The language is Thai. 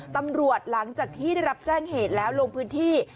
หลังจากที่ได้รับแจ้งเหตุแล้วลงพื้นที่